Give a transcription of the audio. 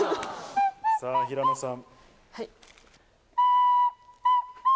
さぁ平野さん。